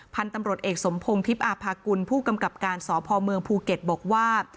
พันธุ์ตำรวจเอกสมพงศ์ทิพย์อาภากุลผู้กำกับการสพเมืองภูเก็ตบอกว่า